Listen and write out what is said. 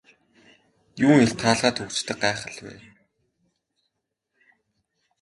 Юун эрт хаалгаа түгждэг гайхал вэ.